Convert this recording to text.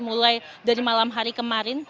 mulai dari malam hari kemarin